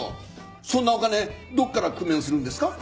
そんなお金どこから工面するんですか？